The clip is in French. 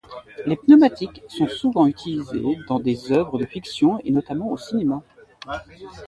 Les pneumatiques sont souvent utilisés dans les œuvres de fiction et notamment au cinéma.